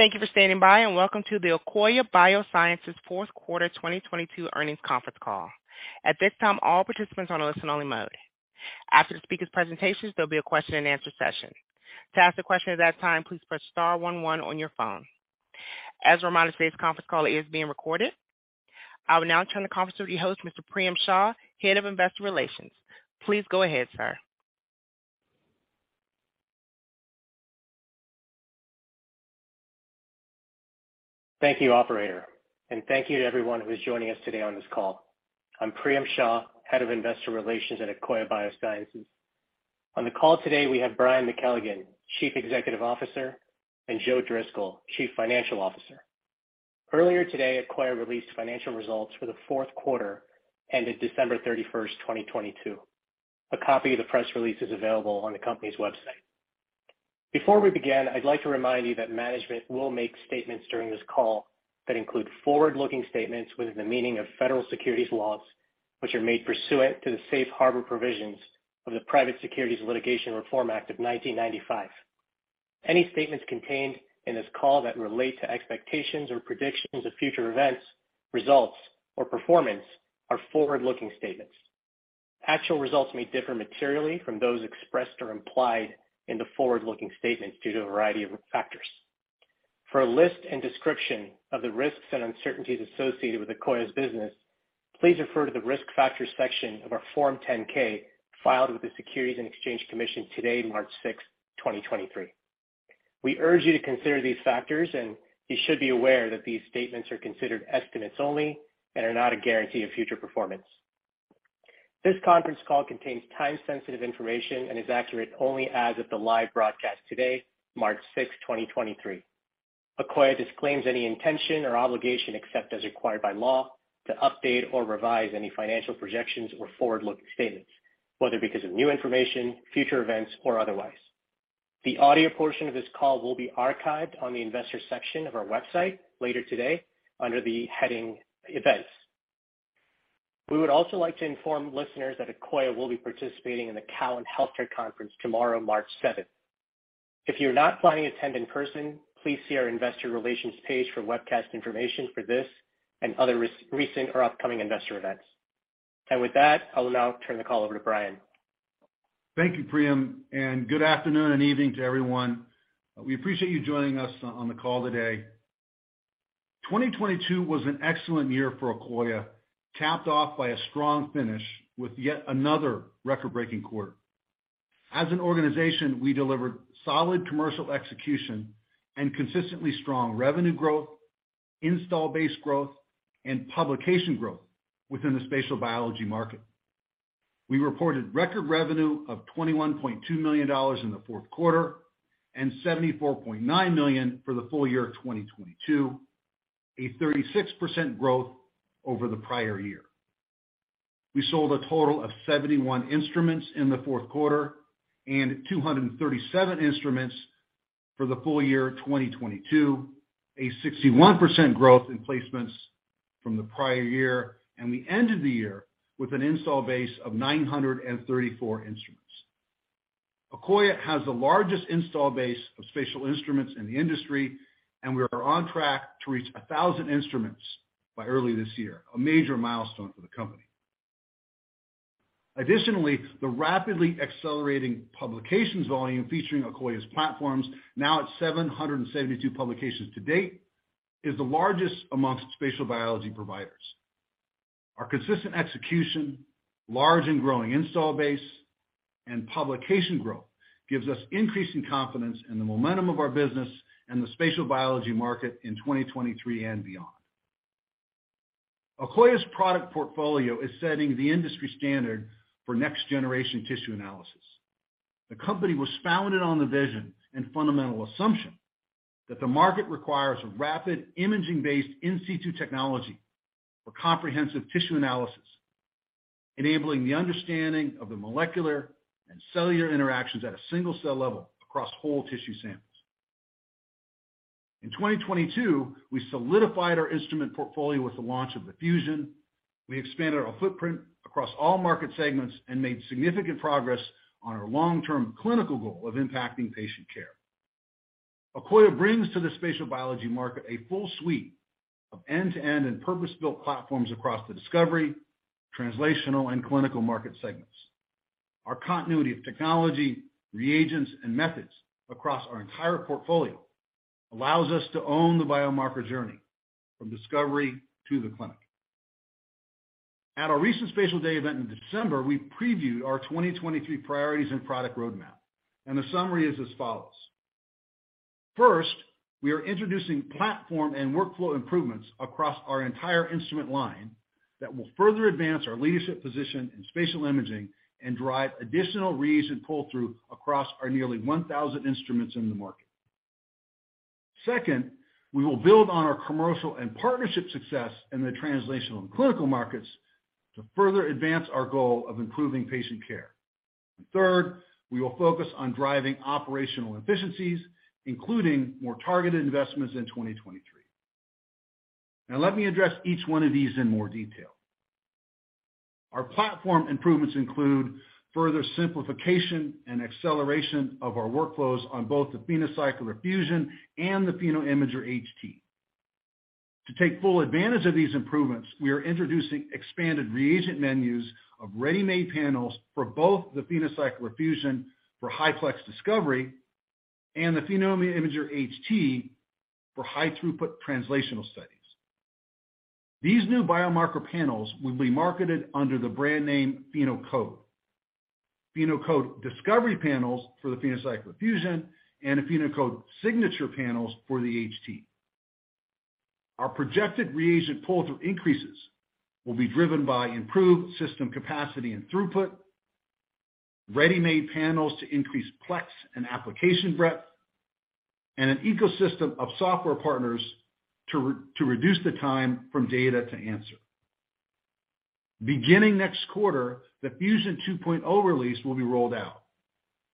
Thank you for standing by. Welcome to the Akoya Biosciences fourth quarter 2022 earnings conference call. At this time, all participants are on a listen only mode. After the speaker's presentations, there'll be a question and answer session. To ask a question at that time, please press star one one on your phone. As a reminder, today's conference call is being recorded. I will now turn the conference over to your host, Mr. Priyam Shah, Head of Investor Relations. Please go ahead, sir. Thank you, operator, and thank you to everyone who is joining us today on this call. I'm Priyam Shah, Head of Investor Relations at Akoya Biosciences. On the call today, we have Brian McKelligon, Chief Executive Officer, and Joe Driscoll, Chief Financial Officer. Earlier today, Akoya released financial results for the fourth quarter ended December 31st, 2022. A copy of the press release is available on the company's website. Before we begin, I'd like to remind you that management will make statements during this call that include forward-looking statements within the meaning of Federal securities laws, which are made pursuant to the Safe Harbor provisions of the Private Securities Litigation Reform Act of 1995. Any statements contained in this call that relate to expectations or predictions of future events, results, or performance are forward-looking statements. Actual results may differ materially from those expressed or implied in the forward-looking statements due to a variety of factors. For a list and description of the risks and uncertainties associated with Akoya's business, please refer to the Risk Factors section of our Form 10-K filed with the Securities and Exchange Commission today, March 6, 2023. We urge you to consider these factors, and you should be aware that these statements are considered estimates only and are not a guarantee of future performance. This conference call contains time-sensitive information and is accurate only as of the live broadcast today, March 6, 2023. Akoya disclaims any intention or obligation, except as required by law, to update or revise any financial projections or forward-looking statements, whether because of new information, future events, or otherwise. The audio portion of this call will be archived on the investors section of our website later today under the heading Events. We would also like to inform listeners that Akoya will be participating in the Cowen Health Care Conference tomorrow, March 7th. If you're not planning to attend in person, please see our investor relations page for webcast information for this and other recent or upcoming investor events. With that, I will now turn the call over to Brian. Thank you, Priyam, and good afternoon and evening to everyone. We appreciate you joining us on the call today. 2022 was an excellent year for Akoya, capped off by a strong finish with yet another record-breaking quarter. As an organization, we delivered solid commercial execution and consistently strong revenue growth, install base growth, and publication growth within the spatial biology market. We reported record revenue of $21.2 million in the fourth quarter and $74.9 million for the full year of 2022, a 36% growth over the prior year. We sold a total of 71 instruments in the fourth quarter and 237 instruments for the full year 2022, a 61% growth in placements from the prior year, and we ended the year with an install base of 934 instruments. Akoya has the largest install base of spatial instruments in the industry. We are on track to reach 1,000 instruments by early this year, a major milestone for the company. Additionally, the rapidly accelerating publications volume featuring Akoya's platforms, now at 772 publications to date, is the largest amongst spatial biology providers. Our consistent execution, large and growing install base, and publication growth gives us increasing confidence in the momentum of our business and the spatial biology market in 2023 and beyond. Akoya's product portfolio is setting the industry standard for next-generation tissue analysis. The company was founded on the vision and fundamental assumption that the market requires rapid imaging-based in situ technology for comprehensive tissue analysis, enabling the understanding of the molecular and cellular interactions at a single-cell level across whole tissue samples. In 2022, we solidified our instrument portfolio with the launch of the Fusion. We expanded our footprint across all market segments and made significant progress on our long-term clinical goal of impacting patient care. Akoya brings to the spatial biology market a full suite of end-to-end and purpose-built platforms across the discovery, translational, and clinical market segments. Our continuity of technology, reagents, and methods across our entire portfolio allows us to own the biomarker journey from discovery to the clinic. At our recent Spatial Day event in December, we previewed our 2023 priorities and product roadmap, the summary is as follows. First, we are introducing platform and workflow improvements across our entire instrument line that will further advance our leadership position in spatial imaging and drive additional reads and pull-through across our nearly 1,000 instruments in the market. Second, we will build on our commercial and partnership success in the translational and clinical markets to further advance our goal of improving patient care. Third, we will focus on driving operational efficiencies, including more targeted investments in 2023. Now, let me address each one of these in more detail. Our platform improvements include further simplification and acceleration of our workflows on both the PhenoCycler-Fusion and the PhenoImager HT. To take full advantage of these improvements, we are introducing expanded reagent menus of ready-made panels for both the PhenoCycler-Fusion for high plex discovery and the PhenoImager HT for high throughput translational studies. These new biomarker panels will be marketed under the brand name PhenoCode. PhenoCode Discovery Panels for the PhenoCycler-Fusion and the PhenoCode Signature Panels for the HT. Our projected reagent pull-through increases will be driven by improved system capacity and throughput, ready-made panels to increase plex and application breadth, and an ecosystem of software partners to reduce the time from data to answer. Beginning next quarter, the Fusion 2.0 release will be rolled out.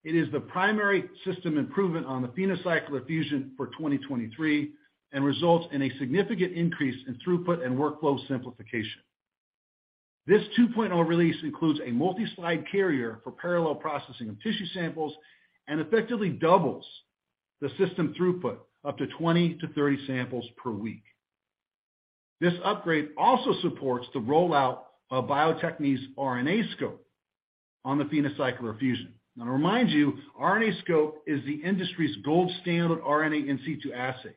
It is the primary system improvement on the PhenoCycler-Fusion for 2023, and results in a significant increase in throughput and workflow simplification. This 2.0 release includes a multi-slide carrier for parallel processing of tissue samples, and effectively doubles the system throughput up to 20 to 30 samples per week. This upgrade also supports the rollout of Bio-Techne's RNAscope on the PhenoCycler-Fusion. To remind you, RNAscope is the industry's gold standard RNA in situ assay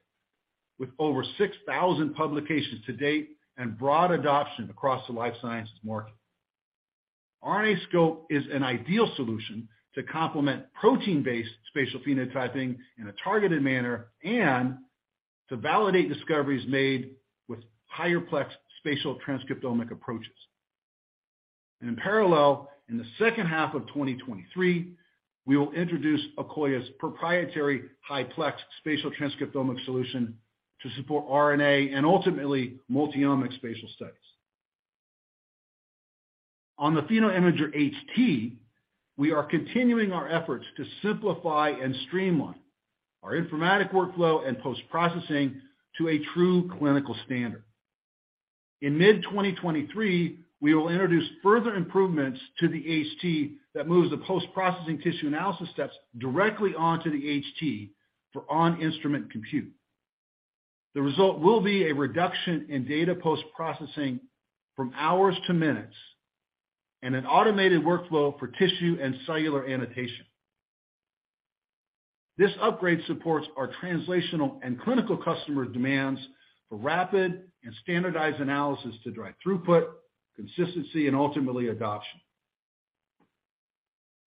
with over 6,000 publications to date and broad adoption across the life sciences market. RNAscope is an ideal solution to complement protein-based spatial phenotyping in a targeted manner and to validate discoveries made with higher plex spatial transcriptomic approaches. In parallel, in the second half of 2023, we will introduce Akoya's proprietary high plex spatial transcriptomic solution to support RNA and ultimately multi-omic spatial studies. On the PhenoImager HT, we are continuing our efforts to simplify and streamline our informatic workflow and post-processing to a true clinical standard. In mid-2023, we will introduce further improvements to the HT that moves the post-processing tissue analysis steps directly onto the HT for on-instrument compute. The result will be a reduction in data post-processing from hours to minutes, and an automated workflow for tissue and cellular annotation. This upgrade supports our translational and clinical customer demands for rapid and standardized analysis to drive throughput, consistency, and ultimately adoption.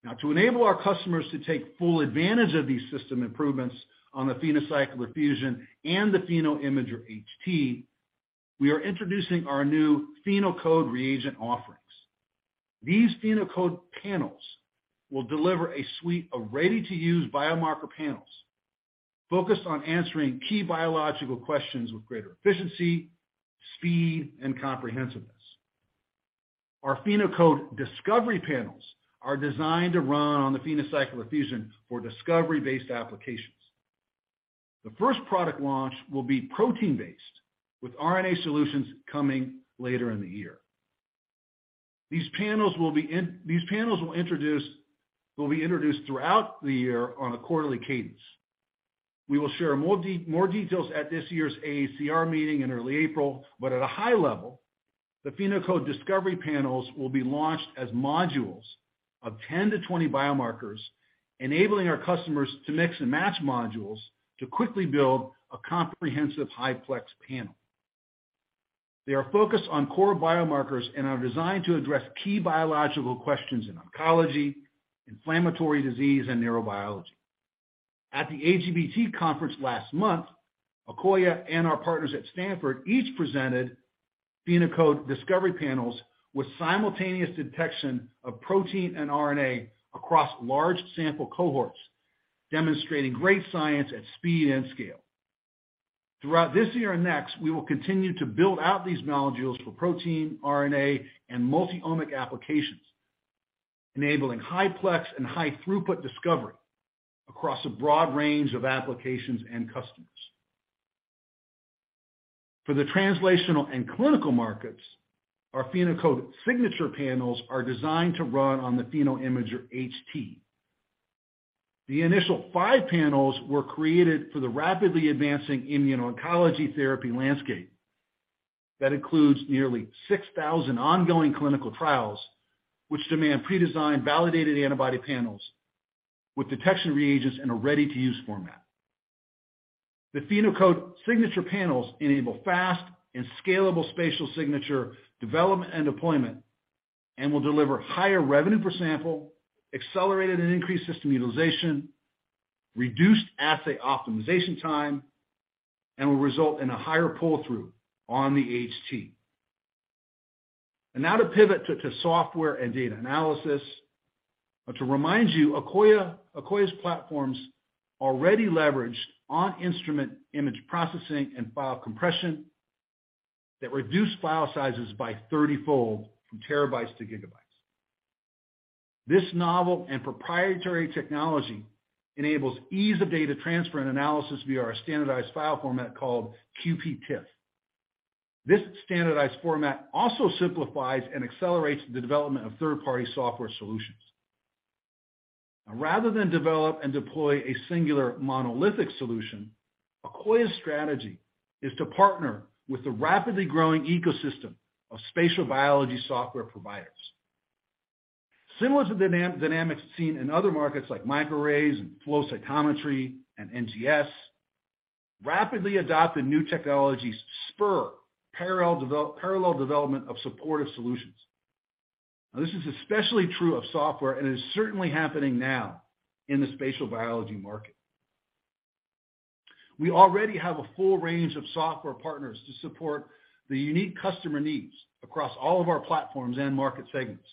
Now to enable our customers to take full advantage of these system improvements on the PhenoCycler-Fusion and the PhenoImager HT, we are introducing our new PhenoCode reagent offerings. These PhenoCode panels will deliver a suite of ready-to-use biomarker panels focused on answering key biological questions with greater efficiency, speed, and comprehensiveness. Our PhenoCode Discovery Panels are designed to run on the PhenoCycler-Fusion for discovery-based applications. The first product launch will be protein-based with RNA solutions coming later in the year. These panels will be introduced throughout the year on a quarterly cadence. We will share more details at this year's AACR meeting in early April, but at a high level, the PhenoCode Discovery Panels will be launched as modules of 10-20 biomarkers, enabling our customers to mix and match modules to quickly build a comprehensive high plex panel. They are focused on core biomarkers and are designed to address key biological questions in oncology, inflammatory disease, and neurobiology. At the AGBT conference last month, Akoya and our partners at Stanford each presented PhenoCode Discovery Panels with simultaneous detection of protein and RNA across large sample cohorts, demonstrating great science at speed and scale. Throughout this year and next, we will continue to build out these modules for protein, RNA, and multi-omic applications, enabling high plex and high throughput discovery across a broad range of applications and customers. For the translational and clinical markets, our PhenoCode Signature Panels are designed to run on the PhenoImager HT. The initial five panels were created for the rapidly advancing immune oncology therapy landscape. That includes nearly 6,000 ongoing clinical trials, which demand pre-designed, validated antibody panels with detection reagents in a ready-to-use format. The PhenoCode Signature Panels enable fast and scalable spatial signature development and deployment and will deliver higher revenue per sample, accelerated and increased system utilization, reduced assay optimization time, and will result in a higher pull-through on the HT. Now to pivot to software and data analysis. To remind you, Akoya's platforms already leveraged on-instrument image processing and file compression that reduce file sizes by 30-fold from terabytes to gigabytes. This novel and proprietary technology enables ease of data transfer and analysis via our standardized file format called QPTIFF. This standardized format also simplifies and accelerates the development of third-party software solutions. Rather than develop and deploy a singular monolithic solution, Akoya's strategy is to partner with the rapidly growing ecosystem of spatial biology software providers. Similar to the dynamics seen in other markets like microarrays, and flow cytometry, and NGS, rapidly adopted new technologies spur parallel development of supportive solutions. Now, this is especially true of software, and it is certainly happening now in the spatial biology market. We already have a full range of software partners to support the unique customer needs across all of our platforms and market segments.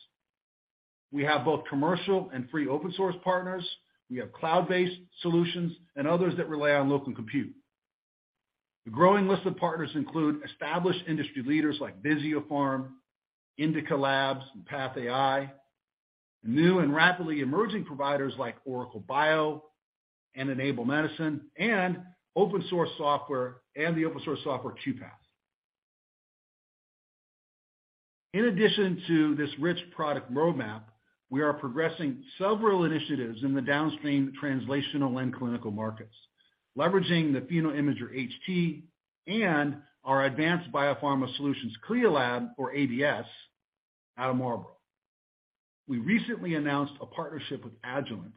We have both commercial and free open source partners. We have cloud-based solutions and others that rely on local compute. The growing list of partners include established industry leaders like Visiopharm, Indica Labs, and PathAI, new and rapidly emerging providers like OracleBio and Enable Medicine, and open source software, and the open source software QuPath. In addition to this rich product roadmap, we are progressing several initiatives in the downstream translational and clinical markets, leveraging the PhenoImager HT and our Advanced Biopharma Solutions CLIA Lab, or ABS, out of Marlborough. We recently announced a partnership with Agilent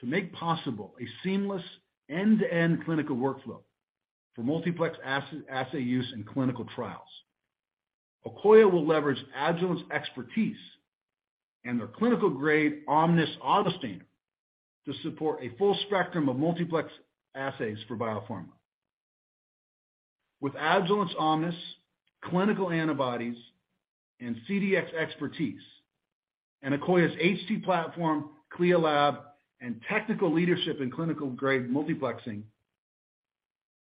to make possible a seamless end-to-end clinical workflow for multiplex assay use in clinical trials. Akoya will leverage Agilent's expertise and their clinical-grade Omnis autostainer to support a full spectrum of multiplex assays for biopharma. Agilent's Omnis, clinical antibodies, and CDX expertise, and Akoya's HT platform, CLIA Lab, and technical leadership in clinical-grade multiplexing,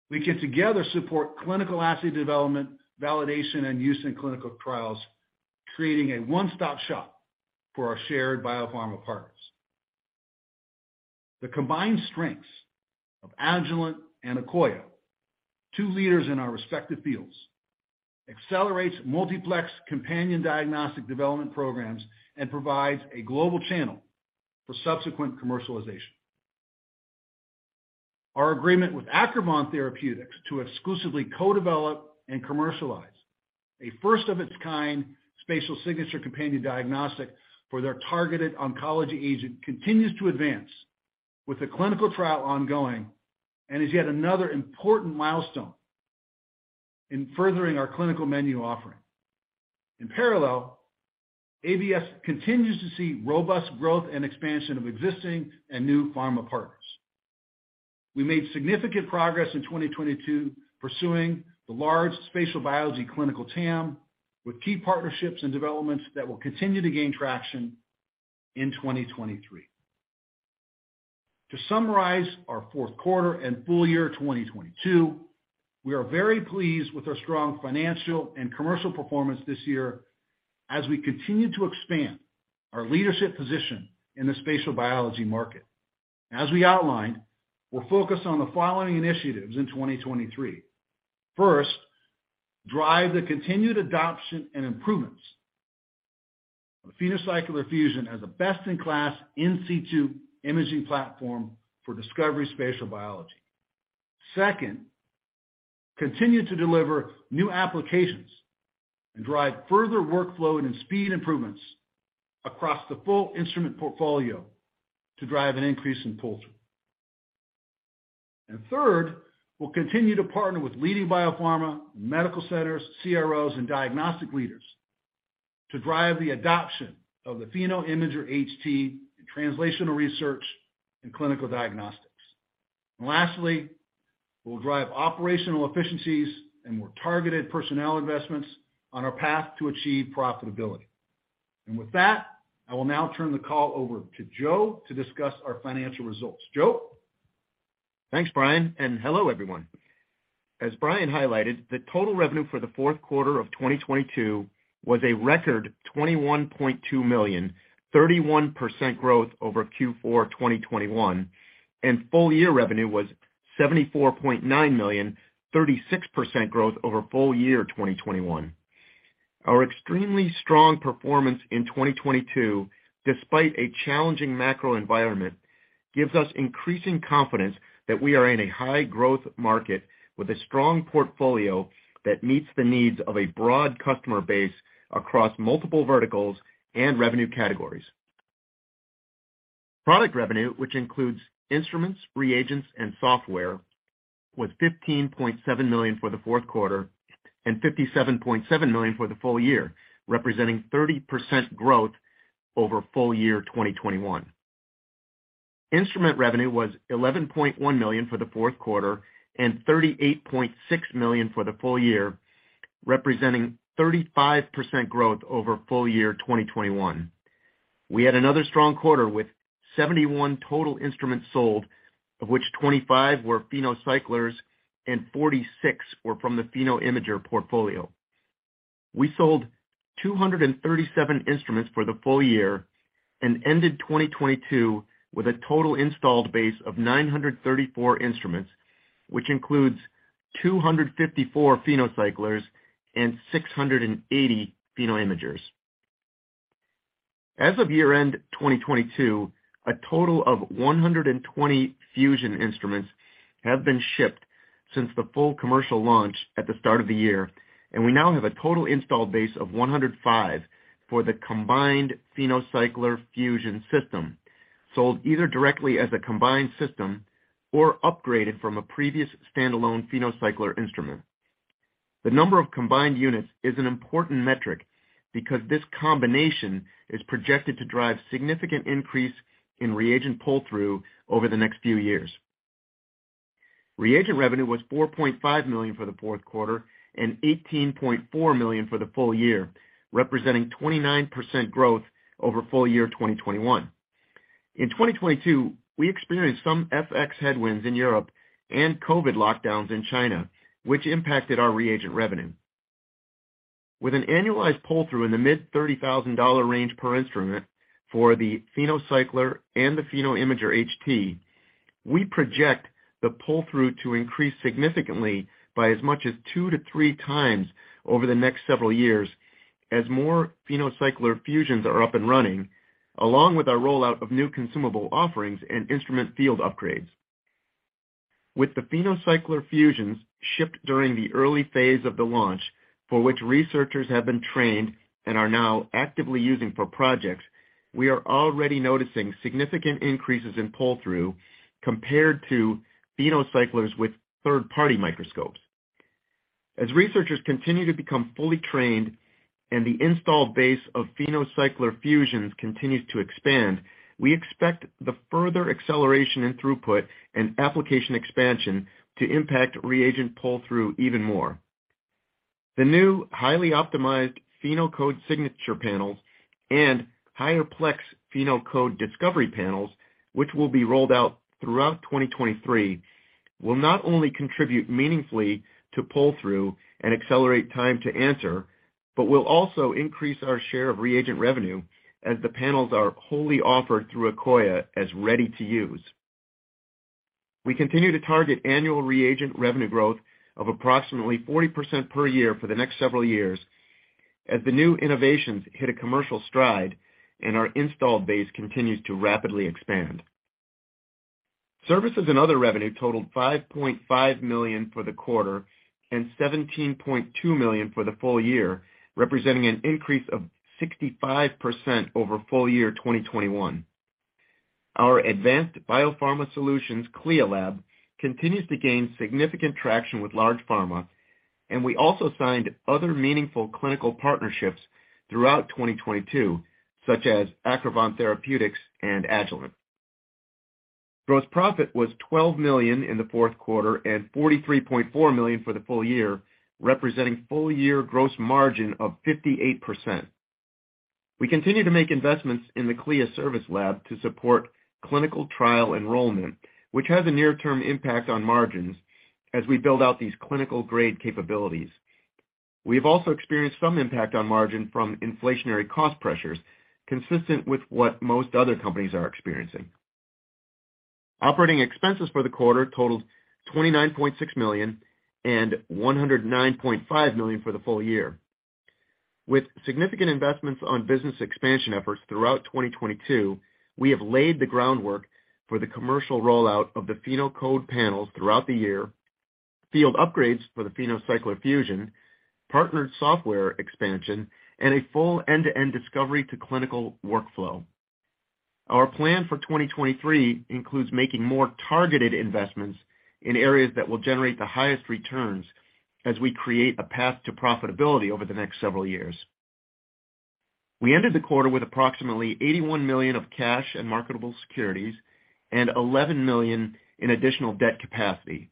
we can together support clinical assay development, validation, and use in clinical trials, creating a one-stop shop for our shared biopharma partners. The combined strengths of Agilent and Akoya, two leaders in our respective fields, accelerates multiplex companion diagnostic development programs and provides a global channel for subsequent commercialization. Our agreement with Acrivon Therapeutics to exclusively co-develop and commercialize a first of its kind spatial signature companion diagnostic for their targeted oncology agent continues to advance with the clinical trial ongoing and is yet another important milestone in furthering our clinical menu offering. In parallel, ABS continues to see robust growth and expansion of existing and new pharma partners. We made significant progress in 2022 pursuing the large spatial biology clinical TAM with key partnerships and developments that will continue to gain traction in 2023. To summarize our fourth quarter and full year 2022, we are very pleased with our strong financial and commercial performance this year as we continue to expand our leadership position in the spatial biology market. As we outlined, we'll focus on the following initiatives in 2023. First, drive the continued adoption and improvements of the PhenoCycler-Fusion as a best-in-class in situ imaging platform for discovery spatial biology. Second, continue to deliver new applications and drive further workflow and speed improvements across the full instrument portfolio to drive an increase in pull-through. Third, we'll continue to partner with leading biopharma, medical centers, CROs, and diagnostic leaders to drive the adoption of the PhenoImager HT in translational research and clinical diagnostics. Lastly, we'll drive operational efficiencies and more targeted personnel investments on our path to achieve profitability. With that, I will now turn the call over to Joe to discuss our financial results. Joe? Thanks, Brian. Hello, everyone. As Brian highlighted, the total revenue for the fourth quarter of 2022 was a record $21.2 million, 31% growth over Q4 2021. Full year revenue was $74.9 million, 36% growth over full year 2021. Our extremely strong performance in 2022, despite a challenging macro environment, gives us increasing confidence that we are in a high-growth market with a strong portfolio that meets the needs of a broad customer base across multiple verticals and revenue categories. Product revenue, which includes instruments, reagents, and software, was $15.7 million for the fourth quarter and $57.7 million for the full year, representing 30% growth over full year 2021. Instrument revenue was $11.1 million for the fourth quarter and $38.6 million for the full year, representing 35% growth over full year 2021. We had another strong quarter with 71 total instruments sold, of which 25 were PhenoCyclers and 46 were from the PhenoImager portfolio. We sold 237 instruments for the full year and ended 2022 with a total installed base of 934 instruments, which includes 254 PhenoCyclers and 680 PhenoImagers. As of year-end 2022, a total of 120 PhenoCycler-Fusion instruments have been shipped since the full commercial launch at the start of the year, and we now have a total install base of 105 for the combined PhenoCycler PhenoCycler-Fusion system, sold either directly as a combined system or upgraded from a previous standalone PhenoCycler instrument. The number of combined units is an important metric because this combination is projected to drive significant increase in reagent pull-through over the next few years. Reagent revenue was $4.5 million for the fourth quarter and $18.4 million for the full year, representing 29% growth over full year 2021. In 2022, we experienced some FX headwinds in Europe and COVID lockdowns in China, which impacted our reagent revenue. With an annualized pull-through in the mid $30 thousand range per instrument for the PhenoCycler and the PhenoImager HT, we project the pull-through to increase significantly by as much as 2 to 3 times over the next several years as more PhenoCycler-Fusions are up and running, along with our rollout of new consumable offerings and instrument field upgrades. With the PhenoCycler-Fusions shipped during the early phase of the launch, for which researchers have been trained and are now actively using for projects, we are already noticing significant increases in pull-through compared to PhenoCyclers with third-party microscopes. As researchers continue to become fully trained and the installed base of PhenoCycler-Fusions continues to expand, we expect the further acceleration in throughput and application expansion to impact reagent pull-through even more. The new highly optimized PhenoCode Signature Panels and higher plex PhenoCode Discovery Panels, which will be rolled out throughout 2023, will not only contribute meaningfully to pull-through and accelerate time to answer, but will also increase our share of reagent revenue as the panels are wholly offered through Akoya as ready to use. We continue to target annual reagent revenue growth of approximately 40% per year for the next several years as the new innovations hit a commercial stride and our installed base continues to rapidly expand. Services and other revenue totaled $5.5 million for the quarter and $17.2 million for the full year, representing an increase of 65% over full year 2021. Our Advanced Biopharma Solutions CLIA lab continues to gain significant traction with large pharma, and we also signed other meaningful clinical partnerships throughout 2022, such as Acrivon Therapeutics and Agilent. Gross profit was $12 million in the fourth quarter and $43.4 million for the full year, representing full year gross margin of 58%. We continue to make investments in the CLIA service lab to support clinical trial enrollment, which has a near-term impact on margins as we build out these clinical grade capabilities. We have also experienced some impact on margin from inflationary cost pressures, consistent with what most other companies are experiencing. Operating expenses for the quarter totaled $29.6 million and $109.5 million for the full year. With significant investments on business expansion efforts throughout 2022, we have laid the groundwork for the commercial rollout of the PhenoCode panels throughout the year, field upgrades for the PhenoCycler-Fusion, partnered software expansion, and a full end-to-end discovery to clinical workflow. Our plan for 2023 includes making more targeted investments in areas that will generate the highest returns as we create a path to profitability over the next several years. We ended the quarter with approximately $81 million of cash and marketable securities and $11 million in additional debt capacity.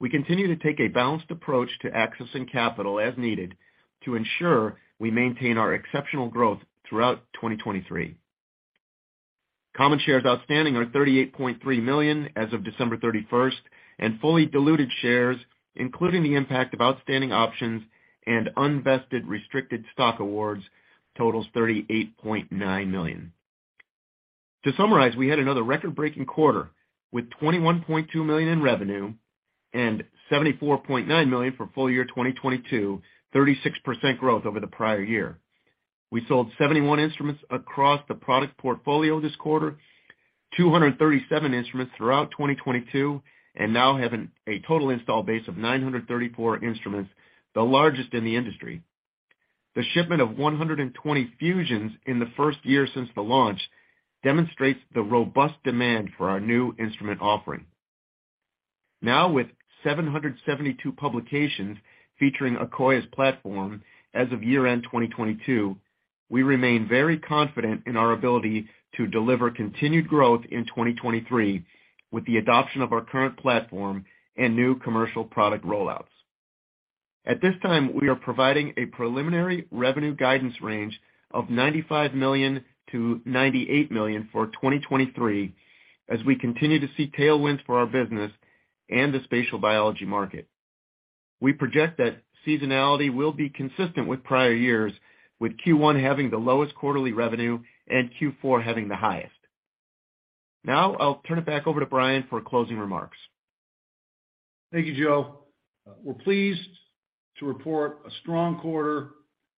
We continue to take a balanced approach to accessing capital as needed to ensure we maintain our exceptional growth throughout 2023. Common shares outstanding are 38.3 million as of December 31st, and fully diluted shares, including the impact of outstanding options and unvested restricted stock awards, totals 38.9 million. To summarize, we had another record-breaking quarter with $21.2 million in revenue and $74.9 million for full year 2022, 36% growth over the prior year. We sold 71 instruments across the product portfolio this quarter, 237 instruments throughout 2022, and now have a total install base of 934 instruments, the largest in the industry. The shipment of 120 Phusions in the first year since the launch demonstrates the robust demand for our new instrument offering. With 772 publications featuring Akoya's platform as of year-end 2022, we remain very confident in our ability to deliver continued growth in 2023 with the adoption of our current platform and new commercial product rollouts. At this time, we are providing a preliminary revenue guidance range of $95 million-$98 million for 2023 as we continue to see tailwinds for our business and the spatial biology market. We project that seasonality will be consistent with prior years, with Q1 having the lowest quarterly revenue and Q4 having the highest. Now I'll turn it back over to Brian for closing remarks. Thank you, Joe. We're pleased to report a strong quarter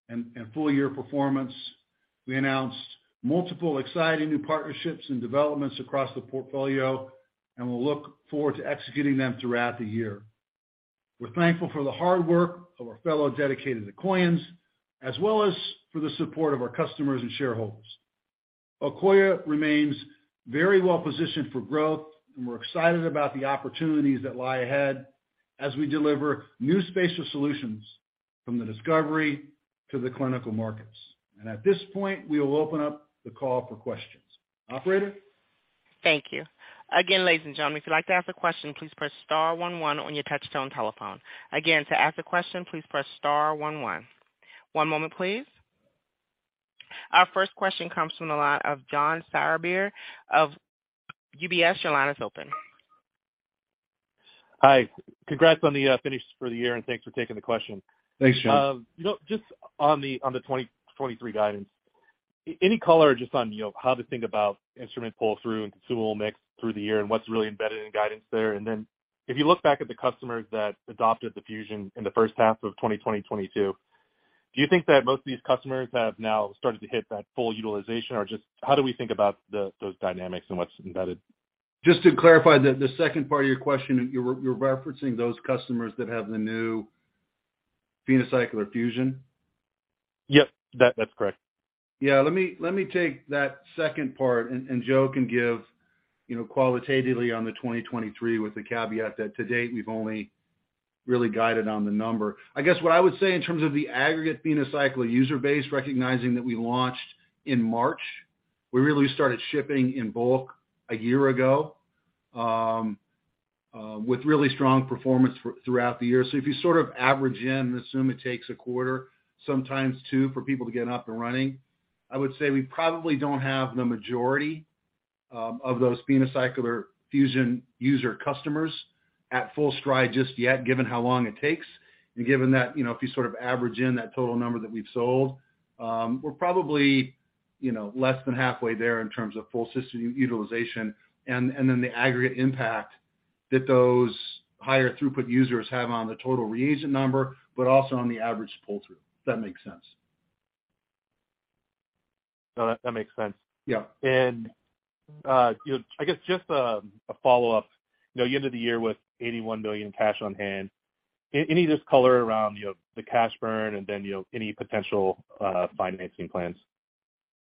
and full year performance. We announced multiple exciting new partnerships and developments across the portfolio. We'll look forward to executing them throughout the year. We're thankful for the hard work of our fellow dedicated Akoyans, as well as for the support of our customers and shareholders. Akoya remains very well positioned for growth. We're excited about the opportunities that lie ahead as we deliver new spatial solutions from the discovery to the clinical markets. At this point, we will open up the call for questions. Operator? Thank you. Again, ladies and gentlemen, if you'd like to ask a question, please press star one one on your touchtone telephone. Again, to ask a question, please press star one one. One moment, please. Our first question comes from the line of John Sourbeer of UBS. Your line is open. Hi. Congrats on the finish for the year. Thanks for taking the question. Thanks, John. you know, just on the, on the 2023 guidance, any color just on, you know, how to think about instrument pull-through and consumable mix through the year and what's really embedded in guidance there? If you look back at the customers that adopted the PhenoCycler-Fusion in the first half of 2022, do you think that most of these customers have now started to hit that full utilization? Just how do we think about the, those dynamics and what's embedded? Just to clarify the second part of your question, you were referencing those customers that have the new PhenoCycler-Fusion? Yep, that's correct. Yeah, let me take that second part. Joe can give, you know, qualitatively on the 2023 with the caveat that to date, we've only really guided on the number. I guess what I would say in terms of the aggregate PhenoCycler user base, recognizing that we launched in March, we really started shipping in bulk a year ago, with really strong performance throughout the year. If you sort of average in and assume it takes a quarter, sometimes two, for people to get up and running, I would say we probably don't have the majority of those PhenoCycler-Fusion user customers at full stride just yet, given how long it takes. Given that, you know, if you sort of average in that total number that we've sold, we're probably, you know, less than halfway there in terms of full system utilization and then the aggregate impact that those higher throughput users have on the total reagent number, but also on the average pull-through, if that makes sense. No, that makes sense. Yeah. You know, I guess just a follow-up. You know, you ended the year with $81 million cash on hand. Any just color around, you know, the cash burn and then, you know, any potential financing plans?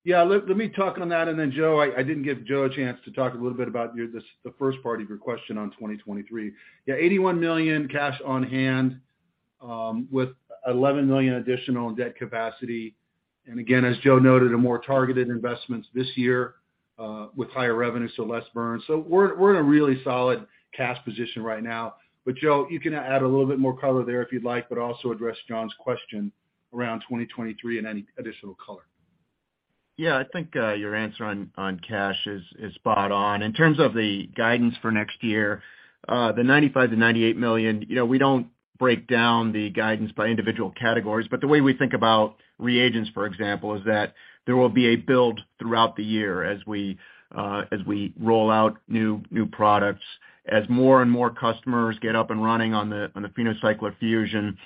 Yeah, let me talk on that, then Joe, I didn't give Joe a chance to talk a little bit about your, the first part of your question on 2023. Yeah, $81 million cash on hand, with $11 million additional in debt capacity. Again, as Joe noted, a more targeted investments this year, with higher revenue, so less burn. We're in a really solid cash position right now. Joe, you can add a little bit more color there if you'd like, but also address John's question around 2023 and any additional color. Yeah. I think your answer on cash is spot on. In terms of the guidance for next year, the $95 million-$98 million, you know, we don't break down the guidance by individual categories, but the way we think about reagents, for example, is that there will be a build throughout the year as we as we roll out new products, as more and more customers get up and running on the, on the PhenoCycler-Fusion.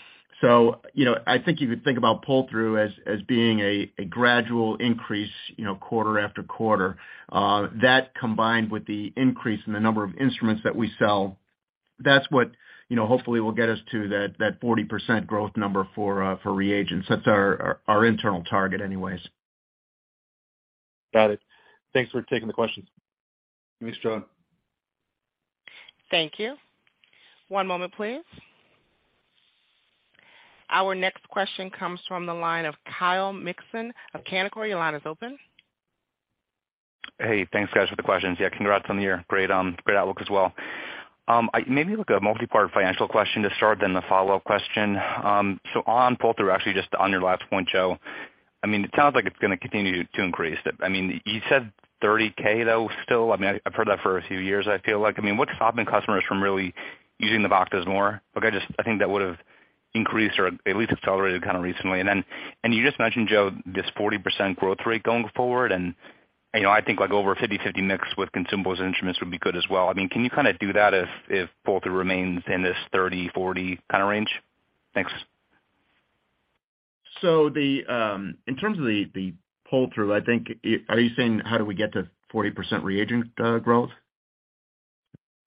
You know, I think you could think about pull-through as being a gradual increase, you know, quarter after quarter. That combined with the increase in the number of instruments that we sell, that's what, you know, hopefully will get us to that 40% growth number for reagents. That's our, our internal target anyways. Got it. Thanks for taking the questions. Thanks, John. Thank you. One moment, please. Our next question comes from the line of Kyle Mikson of Canaccord. Your line is open. Hey, thanks, guys, for the questions. Yeah, congrats on the year. Great, great outlook as well. I maybe like a multipart financial question to start, then a follow-up question. On pull-through, actually just on your last point, Joe, I mean, it sounds like it's gonna continue to increase. I mean, you said $30K though still. I mean, I've heard that for a few years, I feel like. I mean, what's stopping customers from really using the boxes more? Like, I just, I think that would've increased or at least accelerated kind of recently. You just mentioned, Joe, this 40% growth rate going forward. You know, I think like over a 50/50 mix with consumables and instruments would be good as well. I mean, can you kind of do that if pull-through remains in this $30K-$40K kind of range? Thanks. In terms of the pull-through, I think, are you saying how do we get to 40% reagent growth?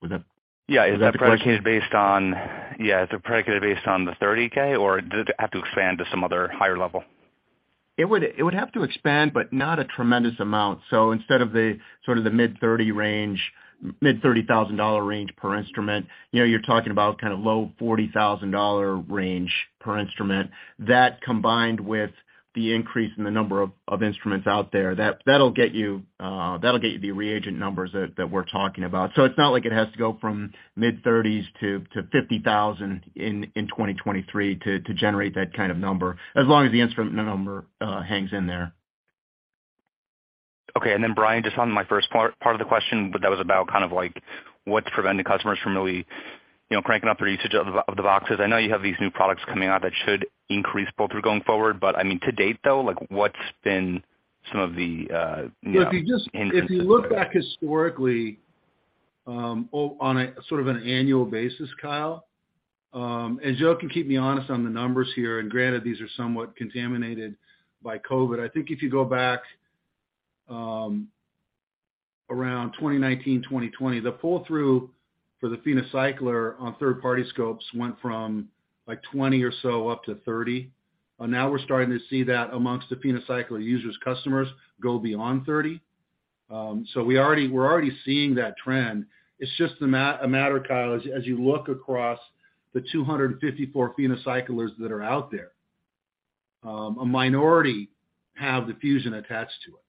Was that? Yeah. Is that the question? Is that predicated based on Yeah, is it predicated based on the $30K, or does it have to expand to some other higher level? It would have to expand, but not a tremendous amount. Instead of the sort of the mid-30 range, mid $30,000 range per instrument, you know, you're talking about kind of low $40,000 range per instrument. That combined with the increase in the number of instruments out there, that'll get you the reagent numbers that we're talking about. It's not like it has to go from mid-30s to 50,000 in 2023 to generate that kind of number, as long as the instrument number hangs in there. Okay. Brian, just on my first part of the question, that was about kind of like what's preventing customers from really, you know, cranking up their usage of the boxes. I know you have these new products coming out that should increase pull-through going forward, I mean, to date, though, like, what's been some of the, you know, hindrance of that? Well, if you look back historically, on a sort of an annual basis, Kyle, and Joe can keep me honest on the numbers here, and granted, these are somewhat contaminated by COVID. I think if you go back, around 2019, 2020, the pull-through for the PhenoCycler on third-party scopes went from, like, 20 or so up to 30. Now we're starting to see that amongst the PhenoCycler users customers go beyond 30. We're already seeing that trend. It's just a matter, Kyle, as you look across the 254 PhenoCyclers that are out there, a minority have the PhenoCycler-Fusion attached to it.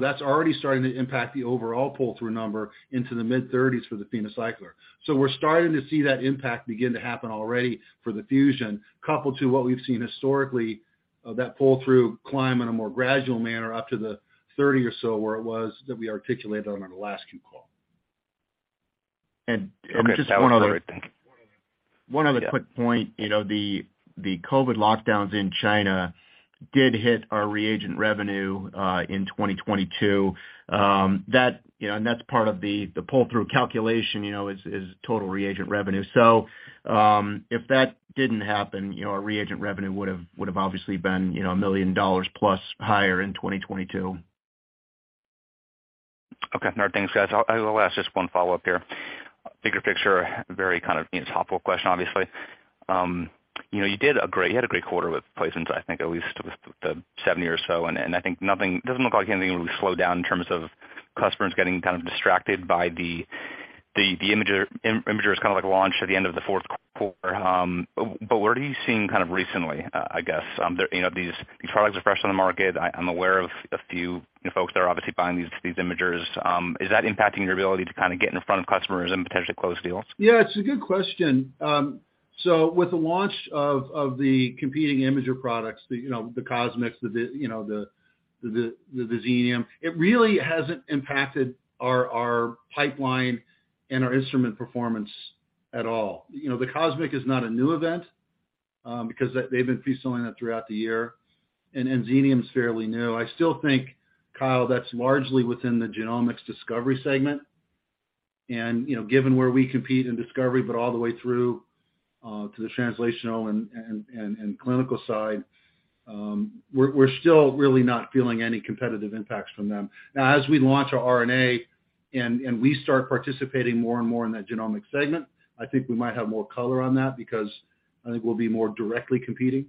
That's already starting to impact the overall pull-through number into the mid-30s for the PhenoCycler. We're starting to see that impact begin to happen already for the Fusion, coupled to what we've seen historically of that pull-through climb in a more gradual manner up to the 30 or so where it was that we articulated on our last Q call. just one other. Okay. That was everything. One other. Yeah. One other quick point. You know, the COVID lockdowns in China did hit our reagent revenue in 2022. That, you know, and that's part of the pull-through calculation, you know, is total reagent revenue. If that didn't happen, you know, our reagent revenue would've obviously been, you know, $1 million plus higher in 2022. Okay. No, thanks, guys. I'll ask just one follow-up here. Bigger picture, very kind of, you know, top level question, obviously. You know, you had a great quarter with placements, I think at least with the seven years or so, I think nothing doesn't look like anything really slowed down in terms of customers getting kind of distracted by the imager is kinda like launched at the end of the fourth quarter. What are you seeing kind of recently, I guess? The, you know, these products are fresh on the market. I'm aware of a few, you know, folks that are obviously buying these imagers. Is that impacting your ability to kinda get in front of customers and potentially close deals? Yeah, it's a good question. With the launch of the competing imager products, you know, the CosMx, you know, the Xenium, it really hasn't impacted our pipeline and our instrument performance at all. You know, the CosMx is not a new event because they've been pre-selling that throughout the year, and Xenium's fairly new. I still think, Kyle, that's largely within the genomics discovery segment. You know, given where we compete in discovery, but all the way through to the translational and clinical side, we're still really not feeling any competitive impacts from them. Now, as we launch our RNA and we start participating more and more in that genomic segment, I think we might have more color on that because I think we'll be more directly competing.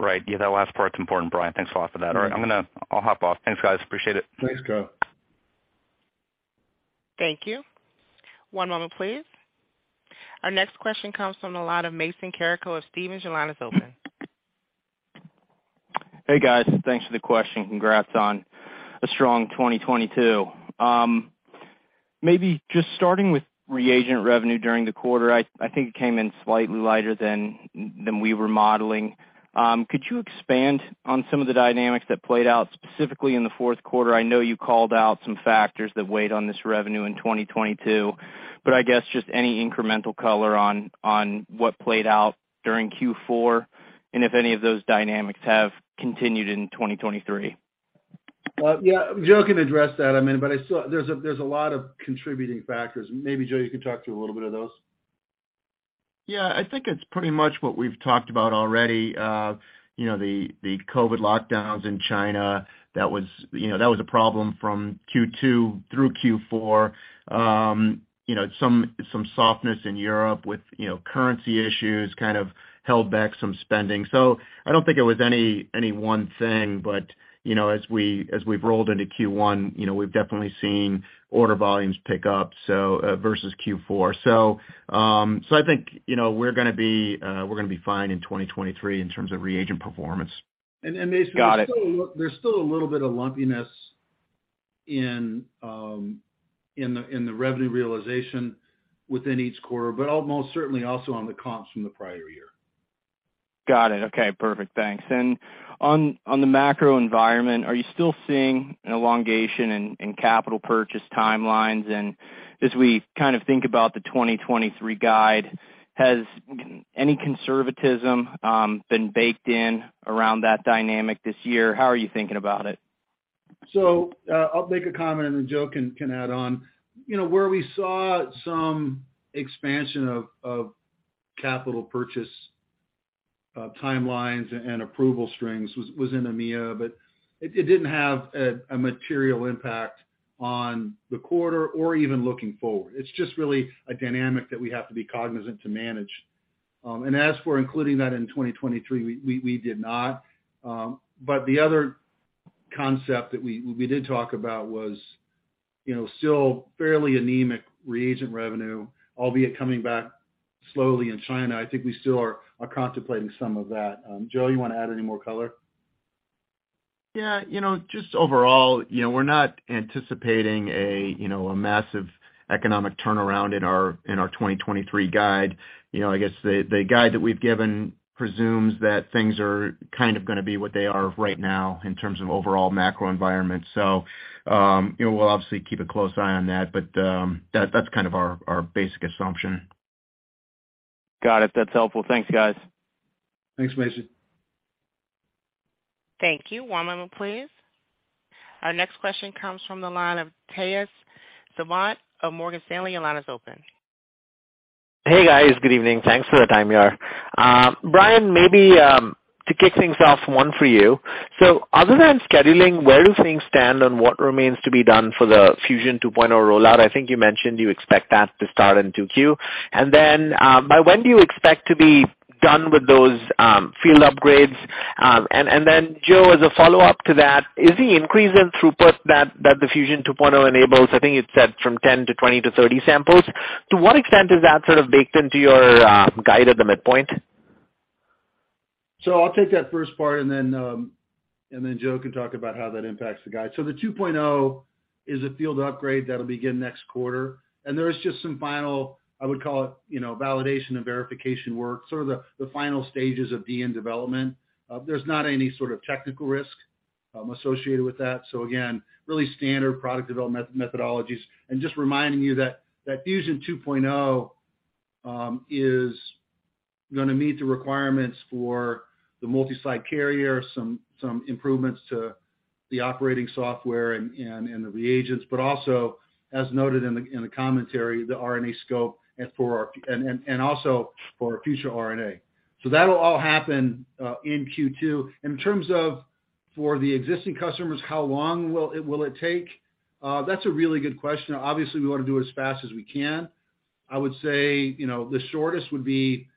Right. Yeah, that last part's important, Brian. Thanks a lot for that. Mm-hmm. All right. I'll hop off. Thanks, guys. Appreciate it. Thanks, Kyle. Thank you. One moment, please. Our next question comes from the line of Mason Carrico of Stephens. Your line is open. Hey, guys. Thanks for the question. Congrats on a strong 2022. Maybe just starting with reagent revenue during the quarter, I think it came in slightly lighter than we were modeling. Could you expand on some of the dynamics that played out specifically in the fourth quarter? I know you called out some factors that weighed on this revenue in 2022. I guess just any incremental color on what played out during Q4, and if any of those dynamics have continued in 2023. Well, yeah, Joe can address that, I mean, but I still. There's a lot of contributing factors. Maybe, Joe, you can talk to a little bit of those. Yeah. I think it's pretty much what we've talked about already. you know, the COVID lockdowns in China, that was, you know, that was a problem from Q2 through Q4. you know, some softness in Europe with, you know, currency issues, kind of held back some spending. I don't think it was any one thing. you know, as we've rolled into Q1, you know, we've definitely seen order volumes pick up, so versus Q4. I think, you know, we're gonna be fine in 2023 in terms of reagent performance. there's still- Got it.... there's still a little bit of lumpiness in the revenue realization within each quarter, but almost certainly also on the comps from the prior year. Got it. Okay, perfect. Thanks. On the macro environment, are you still seeing an elongation in capital purchase timelines? As we kind of think about the 2023 guide, has any conservatism been baked in around that dynamic this year? How are you thinking about it? I'll make a comment, and then Joe can add on. You know, where we saw some expansion of capital purchase timelines and approval strings was in EMEA, but it didn't have a material impact on the quarter or even looking forward. It's just really a dynamic that we have to be cognizant to manage. As for including that in 2023, we did not. The other concept that we did talk about was, you know, still fairly anemic reagent revenue, albeit coming back slowly in China. I think we still are contemplating some of that. Joe, you wanna add any more color? Yeah, you know, just overall, you know, we're not anticipating a, you know, a massive economic turnaround in our, in our 2023 guide. You know, I guess the guide that we've given presumes that things are kind of gonna be what they are right now in terms of overall macro environment. You know, we'll obviously keep a close eye on that. That's kind of our basic assumption. Got it. That's helpful. Thanks, guys. Thanks, Mason. Thank you. One moment, please. Our next question comes from the line of Tejas Savant of Morgan Stanley. Your line is open. Hey, guys. Good evening. Thanks for the time here. Brian, maybe to kick things off, one for you. Other than scheduling, where do things stand on what remains to be done for the Fusion 2.0 rollout? I think you mentioned you expect that to start in 2Q. Then by when do you expect to be done with those field upgrades? Then Joe, as a follow-up to that, is the increase in throughput that the Fusion 2.0 enables, I think it said from 10 to 20 to 30 samples, to what extent is that sort of baked into your guide at the midpoint? I'll take that first part and then, and then Joe can talk about how that impacts the guide. The 2.0 is a field upgrade that'll begin next quarter, and there is just some final, I would call it, you know, validation and verification work, sort of the final stages of D&V development. There's not any sort of technical risk associated with that. Again, really standard product development methodologies. Just reminding you that Fusion 2.0 is gonna meet the requirements for the multi-site carrier, some improvements to the operating software and the reagents, but also, as noted in the commentary, the RNAscope and also for our future RNA. That'll all happen in Q2. In terms of for the existing customers, how long will it take? That's a really good question. Obviously, we wanna do it as fast as we can. I would say, you know, the shortest would be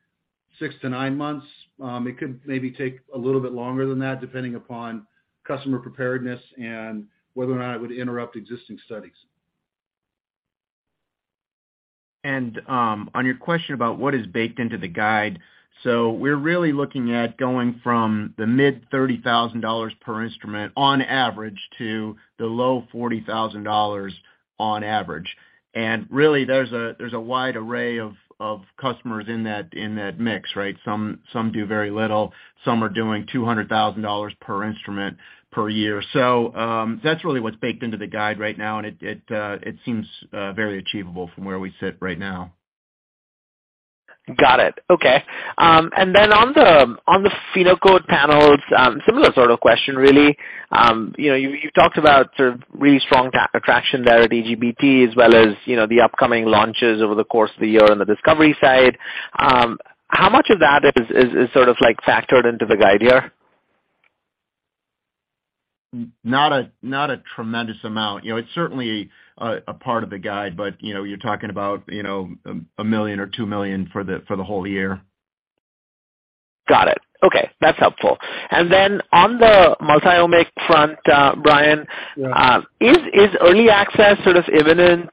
6-9 months. It could maybe take a little bit longer than that, depending upon customer preparedness and whether or not it would interrupt existing studies. On your question about what is baked into the guide, we're really looking at going from the mid $30,000 per instrument on average, to the low $40,000 on average. Really there's a wide array of customers in that mix, right? Some do very little. Some are doing $200,000 per instrument per year. That's really what's baked into the guide right now and it seems very achievable from where we sit right now. Got it. Okay. On the PhenoCode panels, similar sort of question really. You know, you talked about sort of really strong attraction there at AGBT as well as, you know, the upcoming launches over the course of the year on the discovery side. How much of that is sort of like factored into the guide year? Not a, not a tremendous amount. You know, it's certainly a part of the guide, but, you know, you're talking about, you know, $1 million or $2 million for the, for the whole year. Got it. Okay, that's helpful. Then on the multi-omic front, Brian. Yeah. Is early access sort of imminent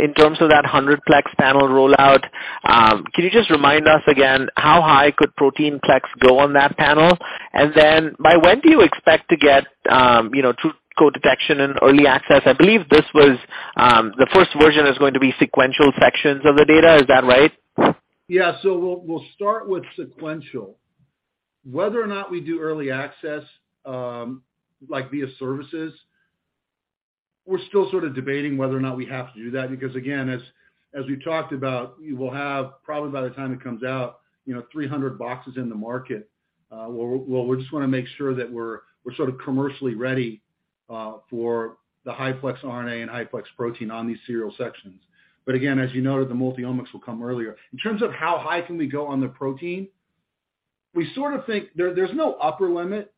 in terms of that 100 plex panel rollout? Can you just remind us again, how high could protein plex go on that panel? By when do you expect to get, you know, true co-detection and early access? I believe this was the first version is going to be sequential sections of the data. Is that right? Yeah. We'll start with sequential. Whether or not we do early access, like via services, we're still sort of debating whether or not we have to do that because again, as we talked about, we will have probably by the time it comes out, you know, 300 boxes in the market, we're just wanna make sure that we're sort of commercially ready for the high-plex RNA and high-plex protein on these serial sections. Again, as you noted, the multiomics will come earlier. In terms of how high can we go on the protein, we sort of think there's no upper limit,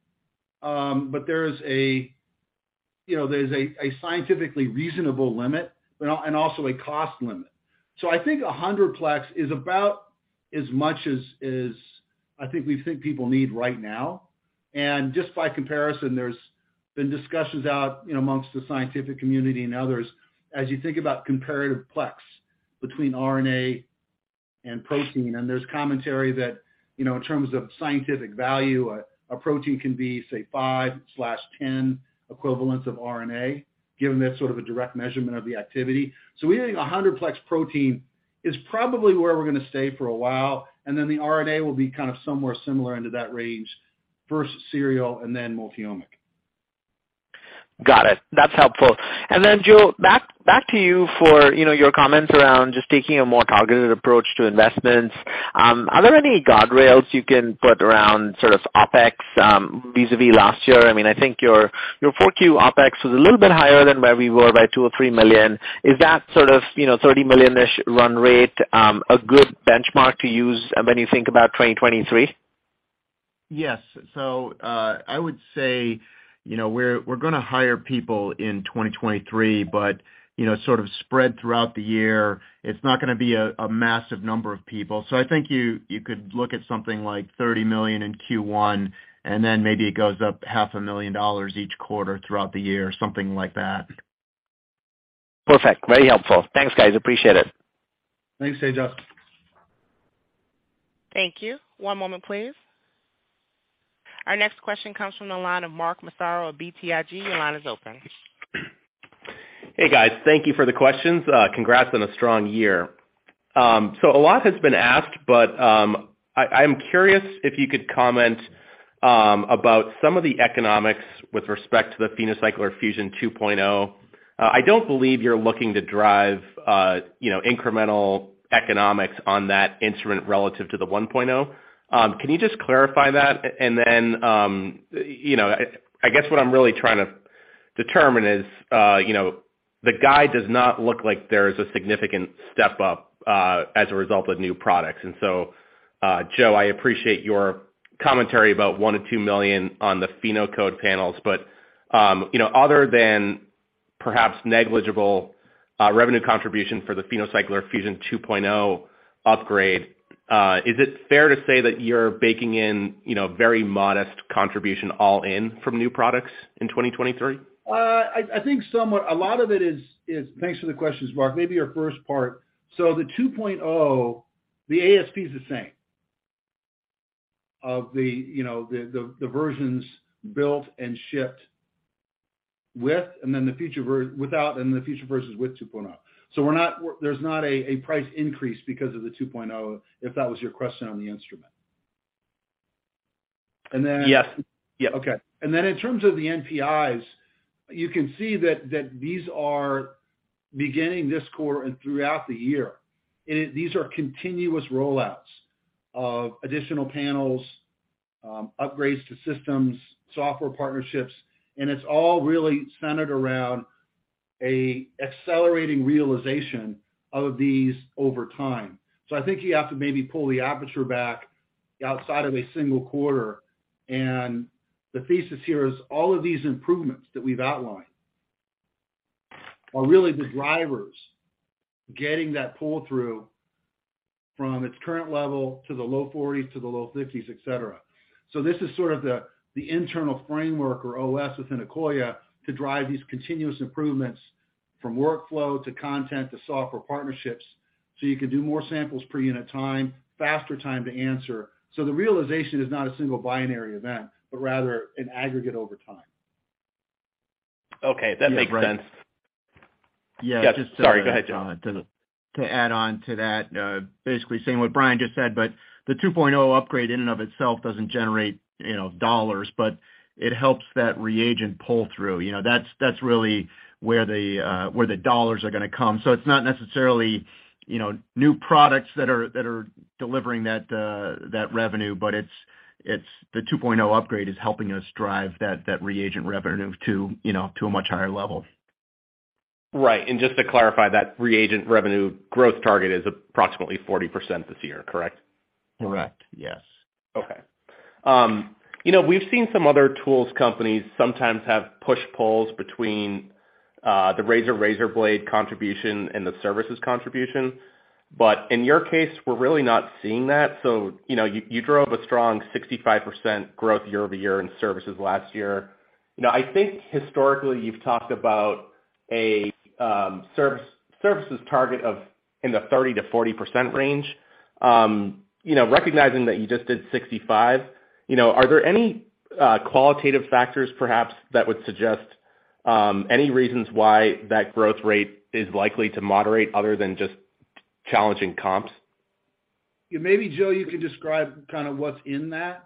but there is a, you know, there's a scientifically reasonable limit and also a cost limit. I think 100-plex is about as much as I think we think people need right now. Just by comparison, there's been discussions out, you know, amongst the scientific community and others as you think about comparative plex between RNA and protein, and there's commentary that, you know, in terms of scientific value, a protein can be, say, 5/10 equivalents of RNA, given that sort of a direct measurement of the activity. We think 100-plex protein is probably where we're gonna stay for a while, and then the RNA will be kind of somewhere similar into that range, first serial and then multi-omic. Got it. That's helpful. Joe, back to you for, you know, your comments around just taking a more targeted approach to investments. Are there any guardrails you can put around sort of OpEx vis-a-vis last year? I mean, I think your four Q OpEx was a little bit higher than where we were by $2 million or $3 million. Is that sort of, you know, $30 million-ish run rate a good benchmark to use when you think about 2023? Yes. I would say, you know, we're gonna hire people in 2023, but, you know, sort of spread throughout the year, it's not gonna be a massive number of people. I think you could look at something like $30 million in Q1, and then maybe it goes up half a million dollars each quarter throughout the year or something like that. Perfect. Very helpful. Thanks, guys. Appreciate it. Thanks, Tejas. Thank you. One moment, please. Our next question comes from the line of Mark Massaro of BTIG. Your line is open. Hey, guys. Thank you for the questions. Congrats on a strong year. A lot has been asked, but, I'm curious if you could comment, about some of the economics with respect to the PhenoCycler-Fusion 2.0. I don't believe you're looking to drive, you know, incremental economics on that instrument relative to the 1.0. Can you just clarify that? You know, I guess what I'm really trying to determine is, you know, the guide does not look like there is a significant step up, as a result of new products. Joe, I appreciate your commentary about $1 million-$2 million on the PhenoCode panels. You know, other than perhaps negligible, revenue contribution for the PhenoCycler-Fusion 2.0 upgrade, is it fair to say that you're baking in, you know, very modest contribution all in from new products in 2023? I think somewhat. A lot of it is. Thanks for the questions, Mark. Maybe your first part. The 2.0, the ASP is the same of the, you know, the versions built and shipped with, and then the future without and the future versions with 2.0. We're not. There's not a price increase because of the 2.0, if that was your question on the instrument. Yes. Yep. Okay. In terms of the NPIs, you can see that these are beginning this quarter and throughout the year. These are continuous rollouts of additional panels, upgrades to systems, software partnerships, and it's all really centered around a accelerating realization of these over time. I think you have to maybe pull the aperture back outside of a single quarter. The thesis here is all of these improvements that we've outlined are really the drivers getting that pull-through from its current level to the low 40s, to the low 50s, et cetera. This is sort of the internal framework or OS within Akoya to drive these continuous improvements from workflow to content to software partnerships, so you can do more samples per unit time, faster time to answer. The realization is not a single binary event, but rather an aggregate over time. Okay. That makes sense. Yeah. Sorry. Go ahead, Joe. To add on to that, basically saying what Brian just said, but the 2.0 upgrade in and of itself doesn't generate, you know, dollars, but it helps that reagent pull-through. You know, that's really where the dollars are gonna come. It's not necessarily, you know, new products that are delivering that revenue, but it's the 2.0 upgrade is helping us drive that reagent revenue to, you know, to a much higher level. Right. Just to clarify, that reagent revenue growth target is approximately 40% this year, correct? Correct. Yes. Okay. You know, we've seen some other tools companies sometimes have push/pulls between the razor/razor blade contribution and the services contribution. In your case, we're really not seeing that. You know, you drove a strong 65% growth year-over-year in services last year. You know, I think historically you've talked about a services target of in the 30%-40% range. You know, recognizing that you just did 65, you know, are there any qualitative factors perhaps that would suggest any reasons why that growth rate is likely to moderate other than just challenging comps? Yeah. Maybe, Joe, you can describe kind of what's in that,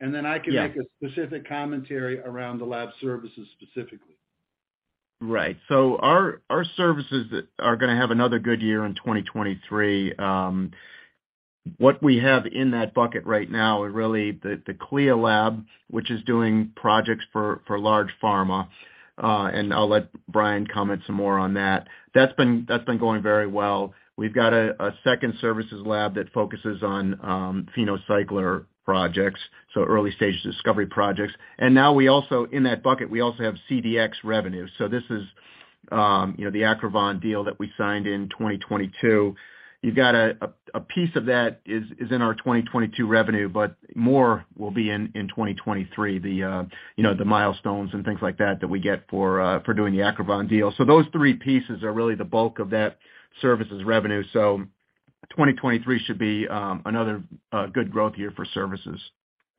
and then I can- Yeah. make a specific commentary around the lab services specifically. Our, our services are gonna have another good year in 2023. What we have in that bucket right now is really the CLIA lab, which is doing projects for large pharma. And I'll let Brian comment some more on that. That's been going very well. We've got a second services lab that focuses on PhenoCycler projects, so early stages discovery projects. Now we also, in that bucket, we also have CDX revenue. This is, you know, the Acrivon deal that we signed in 2022. You've got a piece of that is in our 2022 revenue, but more will be in 2023, the milestones and things like that that we get for doing the Acrivon deal. Those three pieces are really the bulk of that services revenue. 2023 should be another good growth year for services.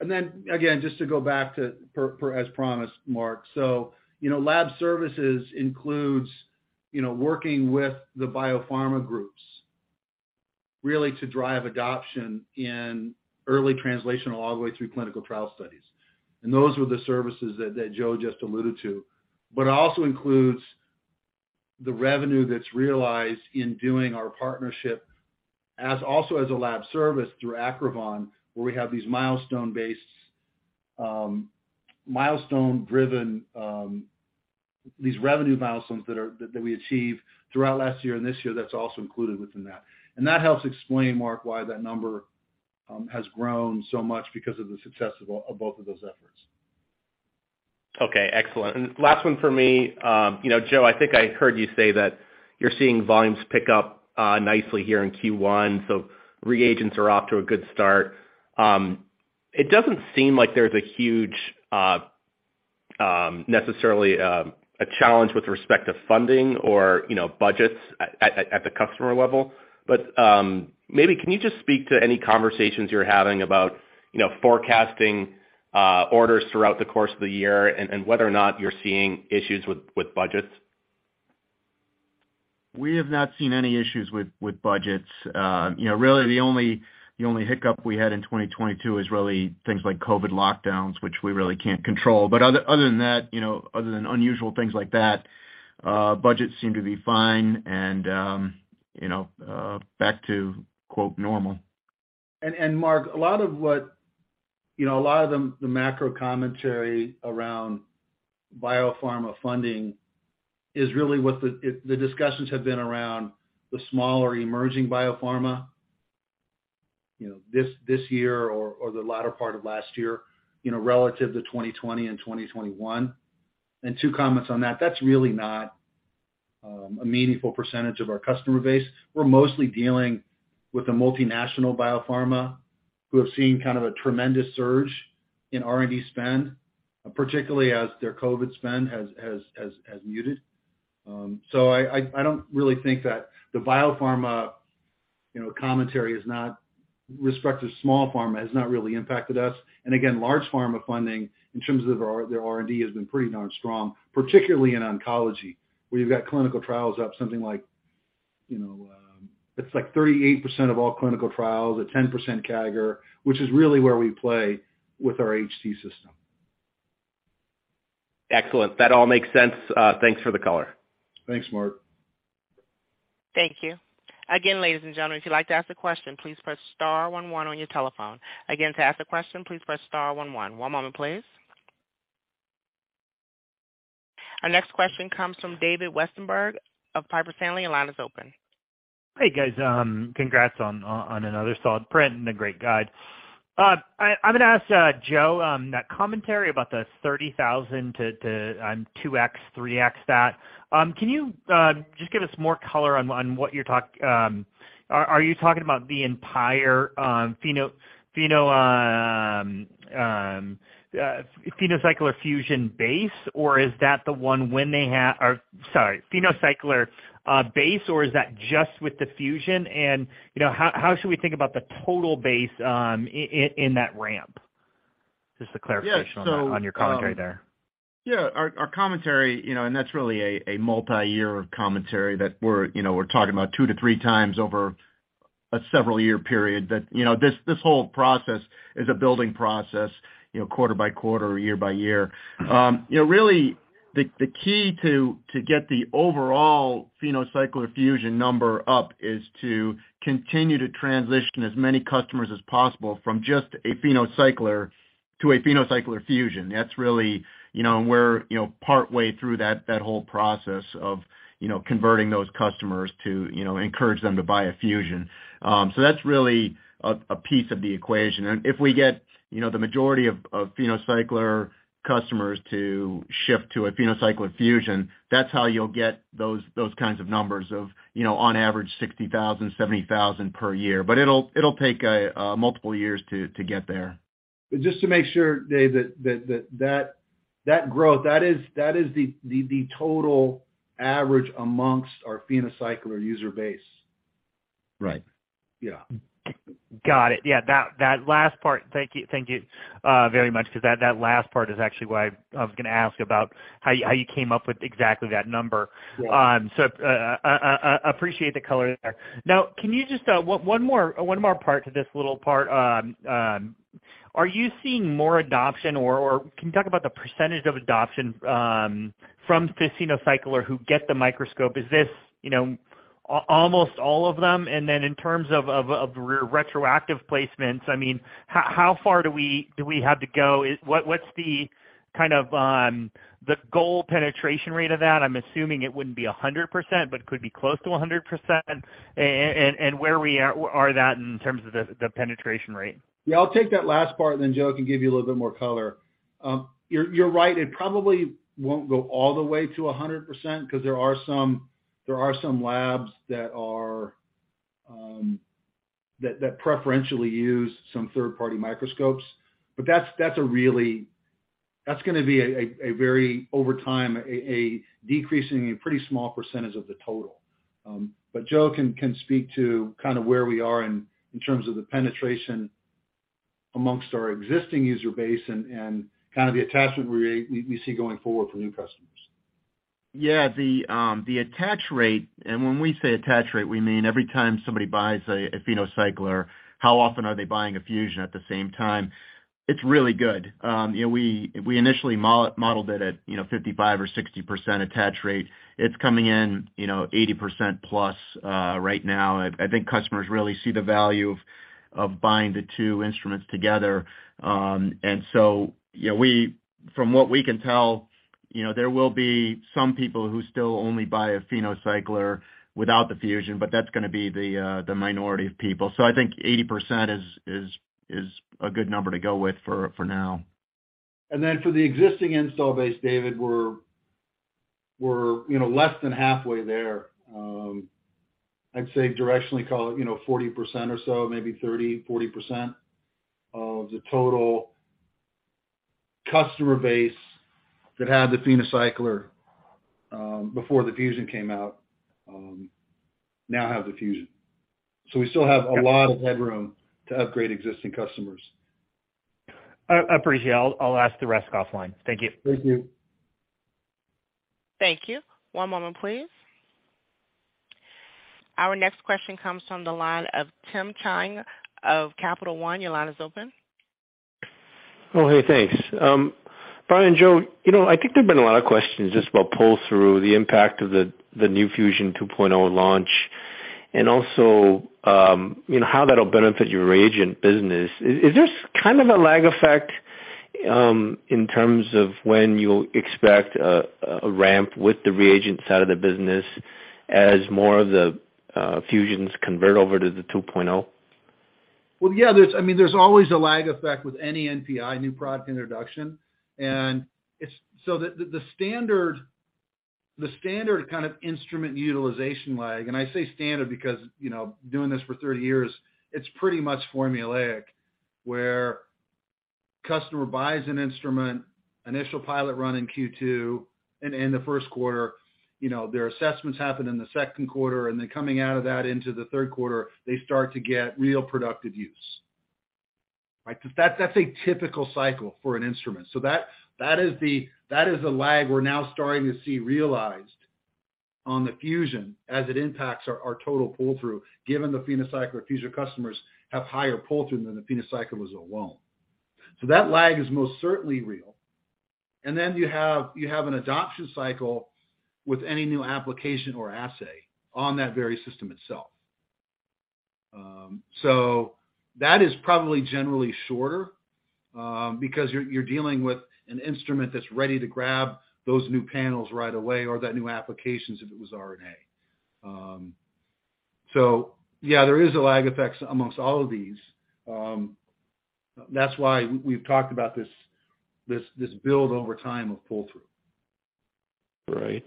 Then again, just to go back to for as promised, Mark. You know, lab services includes, you know, working with the biopharma groups really to drive adoption in early translational all the way through clinical trial studies. Those were the services that Joe just alluded to. It also includes the revenue that's realized in doing our partnership as also as a lab service through Acrivon, where we have these milestone-based, milestone-driven, these revenue milestones that we achieved throughout last year and this year, that's also included within that. That helps explain, Mark, why that number has grown so much because of the success of both of those efforts. Okay. Excellent. This is the last one for me. you know, Joe, I think I heard you say that you're seeing volumes pick up nicely here in Q1, so reagents are off to a good start. It doesn't seem like there's a huge, necessarily, a challenge with respect to funding or, you know, budgets at the customer level. Maybe can you just speak to any conversations you're having about, you know, forecasting orders throughout the course of the year and whether or not you're seeing issues with budgets? We have not seen any issues with budgets. you know, really the only hiccup we had in 2022 is really things like COVID lockdowns, which we really can't control. other than that, you know, other than unusual things like that, budgets seem to be fine and you know, back to quote, "normal. Mark, a lot of what, you know, a lot of the macro commentary around biopharma funding is really what the discussions have been around the smaller emerging biopharma, you know, this year or the latter part of last year, you know, relative to 2020 and 2021. Two comments on that. That's really not a meaningful percentage of our customer base. We're mostly dealing with the multinational biopharma who have seen kind of a tremendous surge in R&D spend, particularly as their COVID spend has muted. So I don't really think that the biopharma, you know, commentary is not respective. Small pharma has not really impacted us. Again, large pharma funding in terms of their R&D has been pretty darn strong, particularly in oncology, where you've got clinical trials up something like, you know, it's like 38% of all clinical trials at 10% CAGR, which is really where we play with our HT system. Excellent. That all makes sense. Thanks for the color. Thanks, Mark. Thank you. Again, ladies and gentlemen, if you'd like to ask a question, please press star one one on your telephone. Again, to ask a question, please press star one one. One moment, please. Our next question comes from David Westenberg of Piper Sandler. Your line is open. Hey, guys. Congrats on another solid print and a great guide. I'm gonna ask Joe that commentary about the 30,000 to 2x, 3x stat. Can you just give us more color on what you're talk? Are you talking about the entire PhenoCycler-Fusion base, or is that the one when they have? Sorry, PhenoCycler base, or is that just with the Fusion? You know, how should we think about the total base in that ramp? Just a clarification. Yeah. On your commentary there. Yeah, our commentary, you know, that's really a multiyear commentary that we're, you know, we're talking about two to three times over a several year period that, you know, this whole process is a building process, you know, quarter by quarter, year by year. You know, really the key to get the overall PhenoCycler-Fusion number up is to continue to transition as many customers as possible from just a PhenoCycler to a PhenoCycler-Fusion. That's really, you know, we're, you know, partway through that whole process of, you know, converting those customers to, you know, encourage them to buy a Fusion. That's really a piece of the equation. If we get, you know, the majority of PhenoCycler customers to shift to a PhenoCycler-Fusion, that's how you'll get those kinds of numbers of, you know, on average 60,000, 70,000 per year. It'll take a multiple years to get there. Just to make sure, Dave, that growth, that is the total average amongst our PhenoCycler user base. Right. Yeah. Got it. Yeah, that last part. Thank you. Thank you, very much, because that last part is actually what I was gonna ask about how you came up with exactly that number. Yeah. Appreciate the color there. Can you just one more part to this little part? Are you seeing more adoption, or can you talk about the percentage of adoption from this PhenoCycler who get the microscope? Is this, you know, almost all of them? In terms of retroactive placements, I mean, how far do we have to go? What's the kind of the goal penetration rate of that? I'm assuming it wouldn't be 100%, but it could be close to 100%. Where we are that in terms of the penetration rate? Yeah, I'll take that last part. Then Joe can give you a little bit more color. You're right, it probably won't go all the way to 100% 'cause there are some labs that preferentially use some third-party microscopes. That's gonna be a very, over time, a decreasing and pretty small percentage of the total. Joe can speak to kind of where we are in terms of the penetration amongst our existing user base and kind of the attachment rate we see going forward for new customers. Yeah, the attach rate, when we say attach rate, we mean every time somebody buys a PhenoCycler, how often are they buying a Fusion at the same time? It's really good. You know, we initially modeled it at, you know, 55% or 60% attach rate. It's coming in, you know, 80% plus right now. I think customers really see the value of buying the two instruments together. So, you know, from what we can tell, you know, there will be some people who still only buy a PhenoCycler without the Fusion, but that's gonna be the minority of people. I think 80% is a good number to go with for now. For the existing install base, David, we're, you know, less than halfway there. I'd say directionally call it, you know, 40% or so, maybe 30%, 40% of the total customer base that had the PhenoCycler before the Fusion came out, now have the Fusion. We still have a lot of headroom to upgrade existing customers. I appreciate it. I'll ask the rest offline. Thank you. Thank you. Thank you. One moment, please. Our next question comes from the line of Timothy Chiang of Capital One. Your line is open. Oh, hey, thanks. Brian, Joe, you know, I think there's been a lot of questions just about pull-through, the impact of the new Fusion 2.0 launch and also, you know, how that'll benefit your reagent business. Is this kind of a lag effect, in terms of when you'll expect a ramp with the reagent side of the business as more of the Fusions convert over to the 2.0? Well, yeah, there's, I mean, there's always a lag effect with any NPI, new product introduction. The standard kind of instrument utilization lag, and I say standard because, you know, doing this for 30 years, it's pretty much formulaic, where customer buys an instrument, initial pilot run in Q2 and in the first quarter, you know, their assessments happen in the second quarter, and then coming out of that into the third quarter, they start to get real productive use, right? That's a typical cycle for an instrument. That is the lag we're now starting to see realized on the Fusion as it impacts our total pull-through, given the PhenoCycler Fusion customers have higher pull-through than the PhenoCycler was alone. That lag is most certainly real. You have an adoption cycle with any new application or assay on that very system itself. That is probably generally shorter because you're dealing with an instrument that's ready to grab those new panels right away or that new applications if it was RNA. Yeah, there is a lag effects amongst all of these. That's why we've talked about this build over time of pull-through. Right.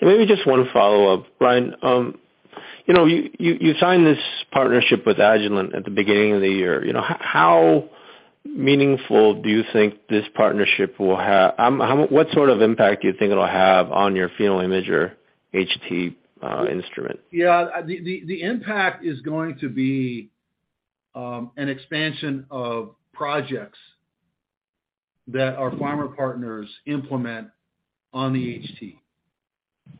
Maybe just one follow-up. Brian, you know, you signed this partnership with Agilent at the beginning of the year. You know, how meaningful do you think this partnership will have? What sort of impact do you think it'll have on your PhenoImager HT instrument? Yeah. The impact is going to be an expansion of projects that our pharma partners implement on the HT.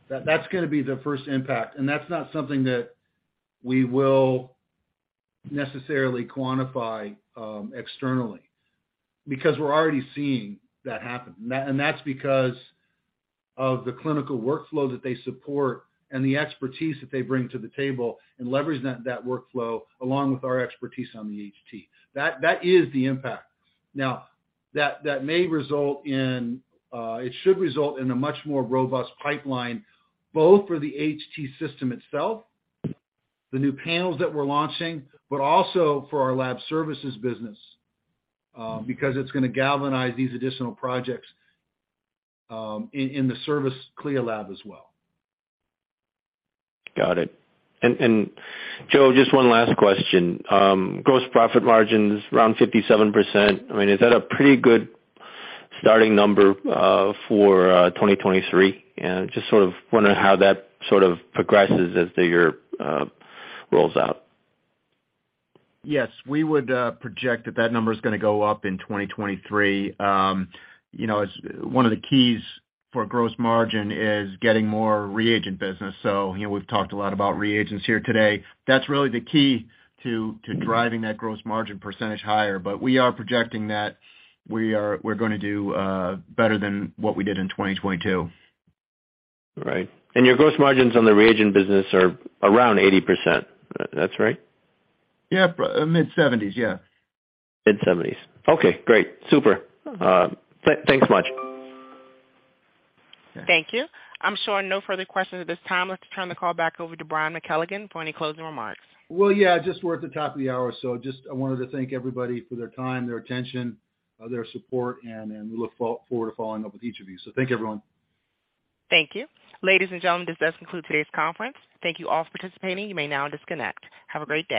That's gonna be the first impact, and that's not something that we will necessarily quantify externally because we're already seeing that happen. That's because of the clinical workflow that they support and the expertise that they bring to the table and leverage that workflow along with our expertise on the HT. That is the impact. It should result in a much more robust pipeline, both for the HT system itself, the new panels that we're launching, but also for our lab services business, because it's gonna galvanize these additional projects in the service CLIA lab as well. Got it. Joe, just one last question. Gross profit margins around 57%, I mean, is that a pretty good starting number for 2023? Just sort of wonder how that sort of progresses as the year rolls out. Yes. We would project that that number is gonna go up in 2023. You know, one of the keys for gross margin is getting more reagent business. You know, we've talked a lot about reagents here today. That's really the key to driving that gross margin percentage higher. We are projecting that we're gonna do better than what we did in 2022. Right. Your gross margins on the reagent business are around 80%. That's right? Yeah. mid-70s. Yeah. Mid-seventies. Okay, great. Super. Thanks much. Thank you. I'm showing no further questions at this time. Let's turn the call back over to Brian McKelligon for any closing remarks. Well, yeah, just we're at the top of the hour, so just I wanted to thank everybody for their time, their attention, their support, and we look forward to following up with each of you. Thank you, everyone. Thank you. Ladies and gentlemen, this does conclude today's conference. Thank you all for participating. You may now disconnect. Have a great day.